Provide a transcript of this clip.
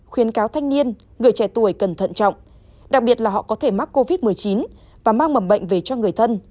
khuyến cáo thanh niên người trẻ tuổi cần thận trọng đặc biệt là họ có thể mắc covid một mươi chín và mang mầm bệnh về cho người thân